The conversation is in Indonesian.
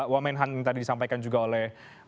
wamenhan yang tadi disampaikan juga oleh